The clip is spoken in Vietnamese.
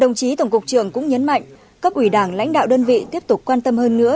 đồng chí tổng cục trưởng cũng nhấn mạnh cấp ủy đảng lãnh đạo đơn vị tiếp tục quan tâm hơn nữa